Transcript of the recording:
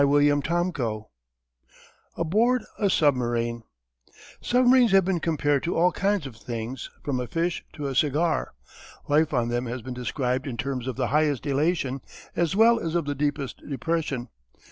CHAPTER XV ABOARD A SUBMARINE Submarines have been compared to all kinds of things, from a fish to a cigar. Life on them has been described in terms of the highest elation as well as of the deepest depression.